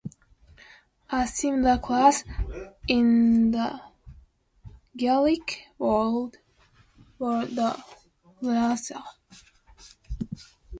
A similar class in the Gaelic world were the Flatha.